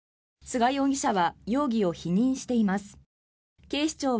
菅容疑者は容疑を否認しています。